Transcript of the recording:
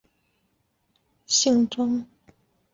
雄蝶有第二性征。